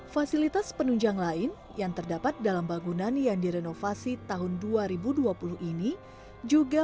fasilitas penunjang lain yang terdapat dalam bangunan yang direnovasi tahun dua ribu dua puluh ini juga